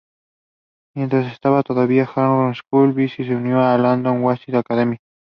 Mientras estaba todavía en Harrow School, Billy se unió a la London Wasps Academy.